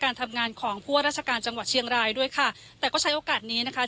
การทำงานของผู้ว่าราชการจังหวัดเชียงรายด้วยค่ะแต่ก็ใช้โอกาสนี้นะคะ